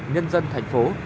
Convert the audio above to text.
nhân dân thành phố